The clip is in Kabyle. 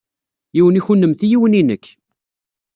Yiwen i kennemti yiwen i nekk.